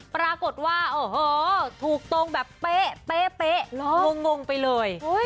ปรากฏว่าโอ้โหถูกตรงแบบเป๊ะงงไปเลย